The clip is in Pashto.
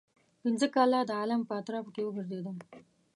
پنځه کاله د عالم په اطرافو کې وګرځېدم.